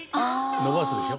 伸ばすでしょ。